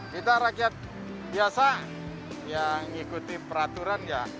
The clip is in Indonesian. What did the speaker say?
kita rakyat biasa yang ngikuti peraturan ya